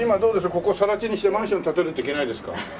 ここを更地にしてマンションを建てるっていけないですか？